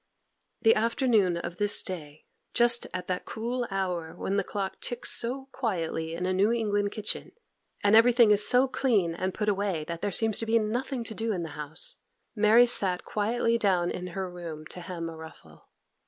The afternoon of this day, just at that cool hour when the clock ticks so quietly in a New England kitchen, and everything is so clean and put away that there seems to be nothing to do in the house, Mary sat quietly down in her room to hem a ruffle.